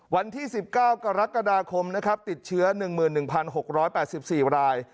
วันที่๑๙กรกฎาคมนะครับติดเชื้อ๑๑๖๘๔ราย